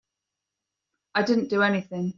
I didn't do anything.